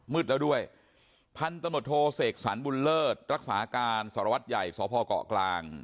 มืดแล้วด้วยพันธนโทเสกสรรบุญเลิศรักษาการสรวจใหญ่สภเกาะกลาง